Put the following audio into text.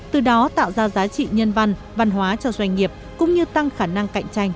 từ đó tạo ra giá trị nhân văn văn hóa cho doanh nghiệp cũng như tăng khả năng cạnh tranh